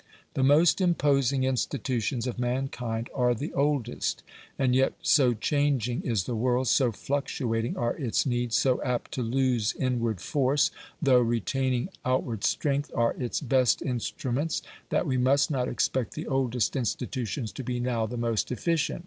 The most imposing institutions of mankind are the oldest; and yet so changing is the world, so fluctuating are its needs, so apt to lose inward force, though retaining out ward strength, are its best instruments, that we must not expect the oldest institutions to be now the most efficient.